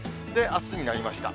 あすになりました。